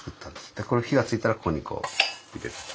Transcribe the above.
これ火がついたらここにこう入れると。